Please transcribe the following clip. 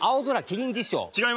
違います。